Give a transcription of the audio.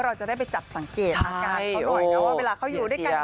เราจะได้ไปจับสังเกตอาการเขาหน่อยนะว่าเวลาเขาอยู่ด้วยกัน